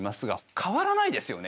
変わらないですよね。